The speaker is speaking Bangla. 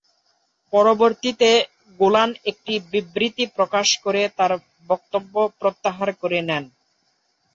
পরবর্তীতে গোলান একটি বিবৃতি প্রকাশ করে তার বক্তব্য প্রত্যাহার করে নেন।